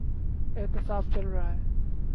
احتساب چل رہا ہے۔